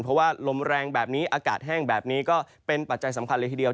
เพราะว่าลมแรงแบบนี้อากาศแห้งแบบนี้ก็เป็นปัจจัยสำคัญเลยทีเดียว